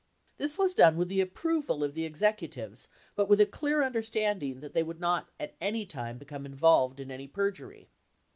This was done with the approval of the executives but with a clear understanding that they would not at any time become involved in any perjury.